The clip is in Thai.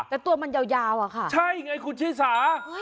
แต่ตัวมันยาวอะค่ะใช่ไงคุณชิสา